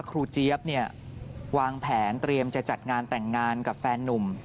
เจี๊ยบเนี่ยวางแผนเตรียมจะจัดงานแต่งงานกับแฟนนุ่ม